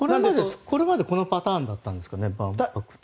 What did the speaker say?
これまでこのパターンだったんですかね万博は。